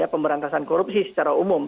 pemberantasan korupsi secara umum